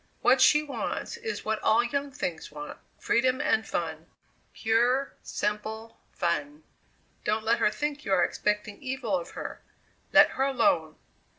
What she wants is what all young things want freedom and fun pure, simple fun. Don't let her think you are expecting evil of her; let her alone!"